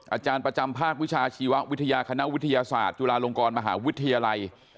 อาจารย์ประจำภาควิชาชีววิทยาคณะวิทยาศาสตร์จุฬาลงกรมหาวิทยาลัย